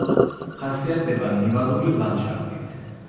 ხასიათდება ნივალური ლანდშაფტით.